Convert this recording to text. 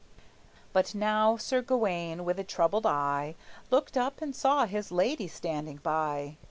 But now Sir Gawayne, with a troubled eye, Looked up, and saw his lady standing by.